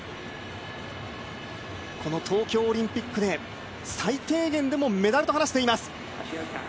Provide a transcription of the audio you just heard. この東京オリンピックで最低限でもメダルと話しています。